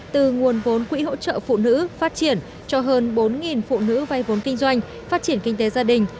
từ nguồn vốn quỹ hỗ trợ phụ nữ phát triển cho hơn bốn phụ nữ vay vốn kinh doanh phát triển kinh tế gia đình